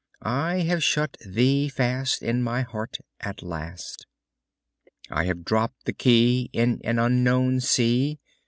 I have shut thee fast In my heart at last. I have dropped the key In an unknown sea.